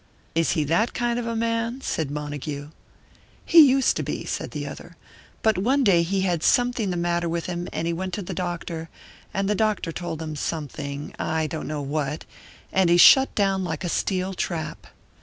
"Is he that kind of a man?" said Montague. "He used to be," said the other. "But one day he had something the matter with him, and he went to a doctor, and the doctor told him something, I don't know what, and he shut down like a steel trap.